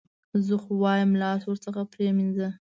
زه خو وایم لاس ورڅخه پرې مینځه.